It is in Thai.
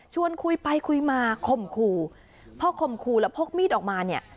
คุยไปคุยมาข่มขู่พอข่มขู่แล้วพกมีดออกมาเนี่ย